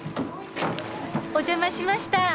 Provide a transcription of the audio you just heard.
お邪魔しました。